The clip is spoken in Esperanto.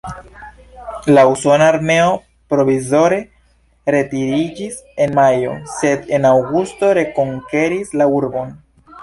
La usona armeo provizore retiriĝis en majo, sed en aŭgusto rekonkeris la urbon.